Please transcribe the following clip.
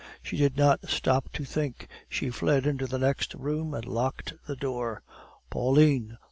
She did not stop to think; she fled into the next room, and locked the door. "Pauline!